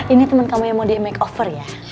ini temen kamu yang mau di makeover ya